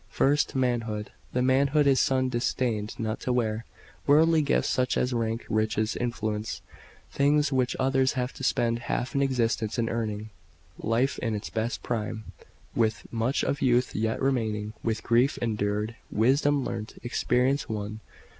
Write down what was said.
"First, manhood; the manhood His Son disdained not to wear; worldly gifts, such as rank, riches, influence, things which others have to spend half an existence in earning; life in its best prime, with much of youth yet remaining with grief endured, wisdom learnt, experience won.